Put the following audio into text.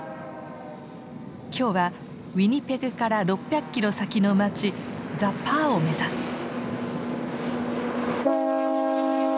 今日はウィニペグから６００キロ先の町ザ・パーを目指す。